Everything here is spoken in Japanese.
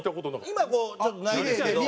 今こうちょっとないですけど。